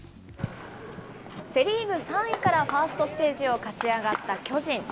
セ・リーグ３位からファーストステージを勝ち上がった巨人。